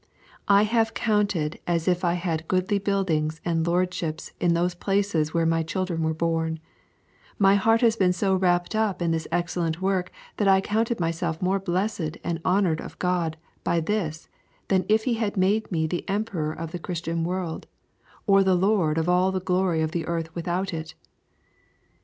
I have counted as if I had goodly buildings and lordships in those places where my children were born; my heart has been so wrapped up in this excellent work that I counted myself more blessed and honoured of God by this than if He had made me the emperor of the Christian world, or the lord of all the glory of the earth without it.'